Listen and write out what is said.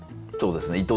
そうですね。